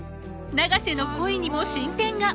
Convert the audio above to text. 永瀬の恋にも進展が！？